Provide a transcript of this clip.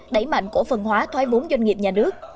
đẩy mạnh cổ phần hóa thoái vốn doanh nghiệp nhà nước